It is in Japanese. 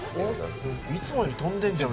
いつもより飛んでんじゃんみたいな。